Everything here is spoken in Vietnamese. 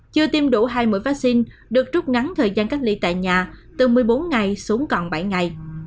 chưa tiêm đủ hai mũi vaccine được trút ngắn thời gian cách ly tại nhà từ một mươi bốn ngày xuống còn bảy ngày